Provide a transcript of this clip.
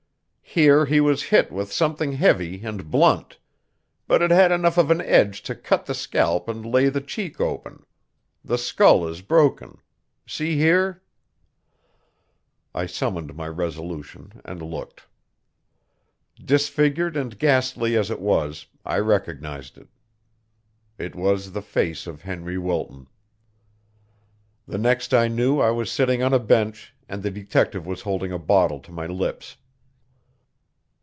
Here he was hit with something heavy and blunt; but it had enough of an edge to cut the scalp and lay the cheek open. The skull is broken. See here " I summoned my resolution and looked. Disfigured and ghastly as it was, I recognized it. It was the face of Henry Wilton. The next I knew I was sitting on a bench, and the detective was holding a bottle to my lips.